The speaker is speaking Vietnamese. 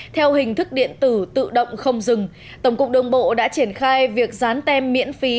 theo hình thức điện tử tự động không dừng tổng cục đường bộ đã triển khai việc dán tem miễn phí